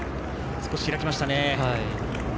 少し開きました。